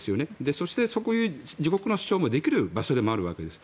そして、そこに自国の主張をできる国でもあるわけです。